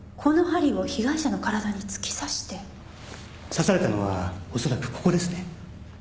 刺されたのは恐らくここですね。